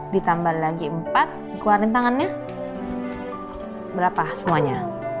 ditambah lagi empat keluarin tangannya berapa semuanya